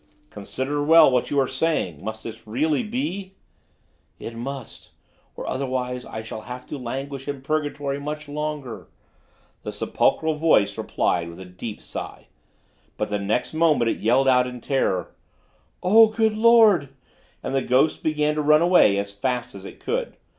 "Consider well what you are saying; must this really be?" "It must, or otherwise I shall have to languish in purgatory much longer," the sepulchral voice replied with a deep sigh; but the next moment it yelled out in terror: "Oh! Good Lord!" and the ghost began to run away as fast as it could.